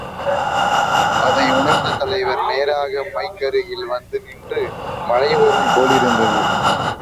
அதை உணர்ந்த தலைவர் நேராக மைக் அருகில் வந்து நின்று, மழை வரும் போலிருக்கிறது.